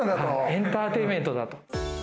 エンターテイメントだと。